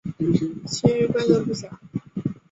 其余规则不详。